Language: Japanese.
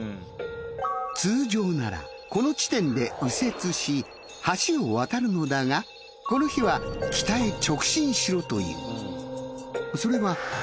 通常ならこの地点で右折し橋を渡るのだがこの日は北へ直進しろという。